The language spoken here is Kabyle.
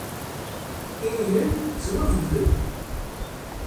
Inyen ttwabeddlen.